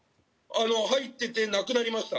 「入っててなくなりました」